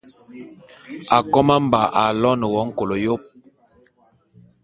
Akôma-Mba aloene wo nkôl yôp.